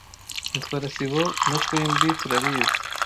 Mutwara sibo na twembi turabizi.